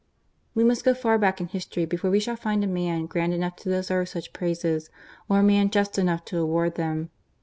We must go far back in history before we shall find a man grand enough to deserve such praises, or a people just enough to award them.